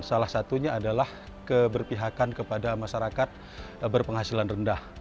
salah satunya adalah keberpihakan kepada masyarakat berpenghasilan rendah